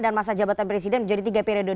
dan masa jabatan presiden menjadi tiga periode